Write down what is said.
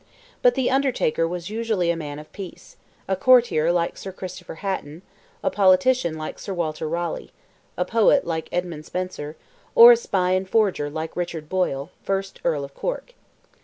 But the Undertaker was usually a man of peace—a courtier like Sir Christopher Hatton—a politician like Sir Walter Raleigh—a poet like Edmund Spencer, or a spy and forger like Richard Boyle, first Earl of Cork.